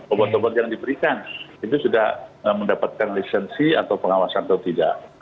obat obat yang diberikan itu sudah mendapatkan lisensi atau pengawasan atau tidak